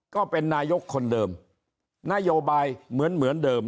ก็เป็นนายกคนเดิมนโยบายเหมือนเหมือนเดิม